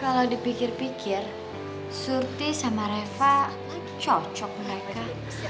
kalau dipikir pikir surti sama reva cocok mereka